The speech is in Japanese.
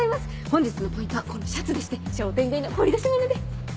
本日のポイントはこのシャツでして商店街の掘り出し物で。